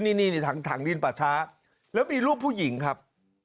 นี่ถังดินป่าช้าแล้วมีรูปผู้หญิงครับ